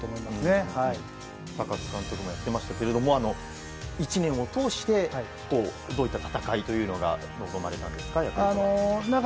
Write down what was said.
高津監督が言っていましたが１年を通してどういった戦いというのが望まれたんですか？